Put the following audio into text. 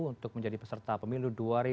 untuk menjadi peserta pemilu dua ribu dua puluh